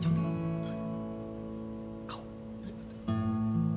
はい。